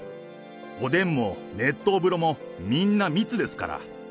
おでんも熱湯風呂も、みんな密ですから。